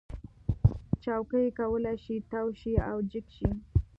چوکۍ کولی شي تاو شي او جګ شي.